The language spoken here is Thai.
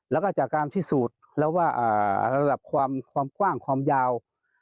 แล้วก็จากการพิสูจน์แล้วว่าระดับความกว้างความยาว